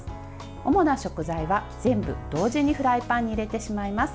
主な食材は全部、同時にフライパンに入れてしまいます。